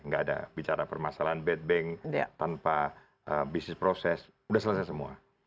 nggak ada bicara permasalahan bad bank tanpa bisnis proses sudah selesai semua